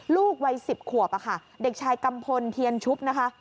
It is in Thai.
ลูกวัย๑๐ขวบค่ะเด็กชายกัมพลเทียนชุบนะคะ